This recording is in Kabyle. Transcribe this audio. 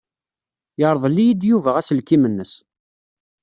Yerḍel-iyi-d Yuba aselkim-nnes.